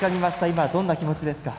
今どんな気持ちですか？